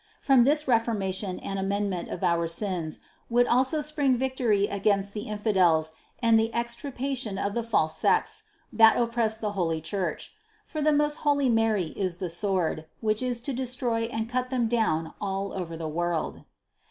From this reforma tion and amendment of our sins would also spring vic tory against the infidels and the extirpation of the false sects, that oppress the holy Church. For the most holy Mary is the sword, which is to destroy and cut them down all over the world.